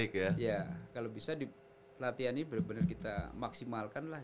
kalau bisa di latihan ini bener bener kita maksimalkan lah